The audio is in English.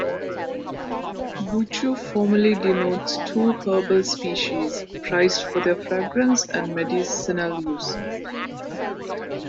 Buchu formally denotes two herbal species, prized for their fragrance and medicinal use.